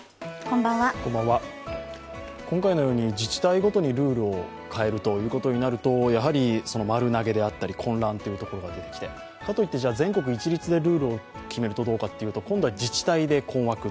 今回のように自治体ごとにルールを変えるということになるとやはり丸投げであったり混乱が出てきてかといって全国一律でルールを決めると自治体で困惑。